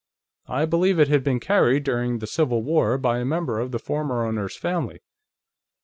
I believe it had been carried during the Civil War by a member of the former owner's family."